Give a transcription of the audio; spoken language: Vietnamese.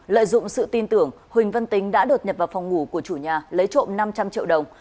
lợi dụng sự tin tưởng huỳnh văn tính đã đột nhập vào phòng ngủ của chủ nhà lấy trộm năm trăm linh triệu đồng